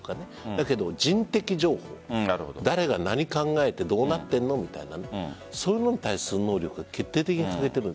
だけど人的情報誰が何を考えてどうなっているのかみたいなそういうものに対する能力が決定的に欠けている。